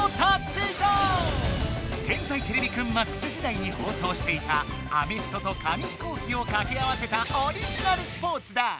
「天才てれびくんＭＡＸ」時だいに放送していたアメフトと紙飛行機をかけ合わせたオリジナルスポーツだ！